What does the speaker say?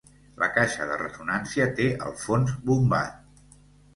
La caixa de ressonància té el fons bombat.